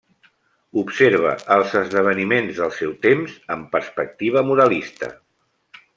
Observa els esdeveniments del seu temps amb perspectiva moralista.